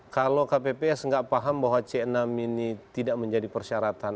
kalau kpps nggak paham bahwa c enam ini tidak menjadi persyaratan